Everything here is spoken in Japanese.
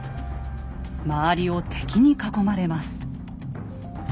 周りを敵に囲まれます。